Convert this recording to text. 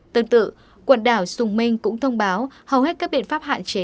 tương tự quần đảo sùng minh cũng thông báo hầu hết các biện pháp hạn chế